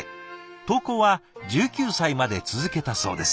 投稿は１９歳まで続けたそうです。